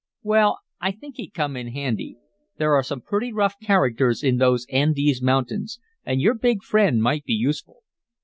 "Well, I think he'd come in handy. There are some pretty rough characters in those Andes Mountains, and your big friend might be useful."